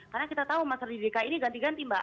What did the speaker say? karena kita tahu masyarakat di dki ini ganti ganti mbak